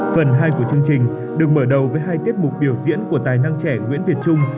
phần hai của chương trình được mở đầu với hai tiết mục biểu diễn của tài năng trẻ nguyễn việt trung